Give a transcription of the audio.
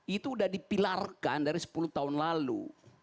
itu sudah dipilarkan dari sepuluh tahun lalu